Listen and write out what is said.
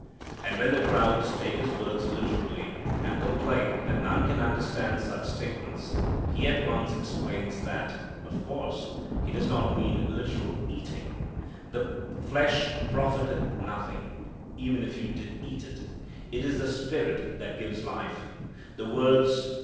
And when the crowds take His words literally and complain that none can understand such statements, He at once explains that, of course, He does not mean literal eating "The flesh profiteth nothing" (even if you did eat it): "it is the Spirit that gives life:" "the words